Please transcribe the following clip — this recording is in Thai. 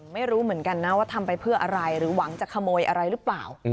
ไม่รู้เหมือนกันนะว่าทำไปเพื่ออะไรหรือหวังจะขโมยอะไรหรือเปล่า